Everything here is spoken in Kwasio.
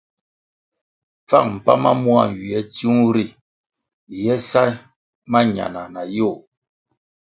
Pfang mpoa mua tsiung ri ye sa mañana na yoh.